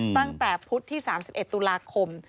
ตั้งแต่พุธที่๓๑ตุลาคม